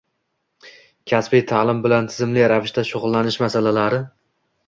Kasbiy ta’lim bilan tizimli ravishda shug‘ullanish masalalari